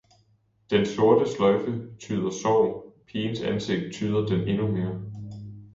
Den sorte sløjfe tyder sorg, pigens ansigt tyder den end mere.